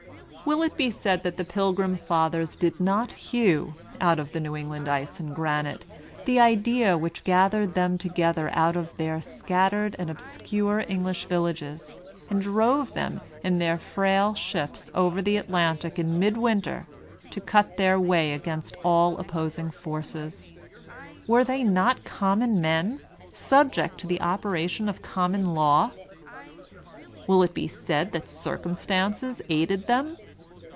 Will it be said that the Pilgrim fathers did not hew, out of the New England ice and granite, the idea whidi gathered them together out of their scattered and obscure English villages, and drove them in their frail ships over the Atlantic in midwinter, to cut their way against all op posing forces? Were they not common men, subject to the operation of common hw ? Will it be said that Cir cumstances aided them?